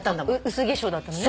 薄化粧だったのね。